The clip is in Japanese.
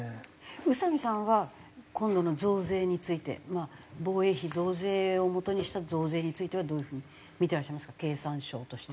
宇佐美さんは今度の増税について防衛費増税をもとにした増税についてはどういう風に見てらっしゃいますか経産省として。